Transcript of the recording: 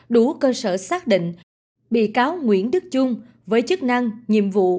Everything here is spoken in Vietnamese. đủ cơ sở xác định bị cáo nguyễn đức trung với chức năng nhiệm vụ